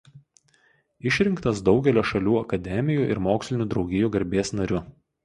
Išrinktas daugelio šalių akademijų ir mokslinių draugijų garbės nariu.